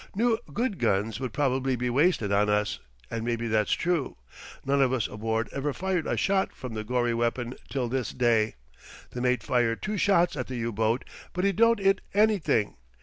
New good guns would probably be wasted on us, and maybe that's true. None of us aboard ever fired a shot from the gory weapon till this day. The mate fired two shots at the U boat, but 'e don't 'it anything.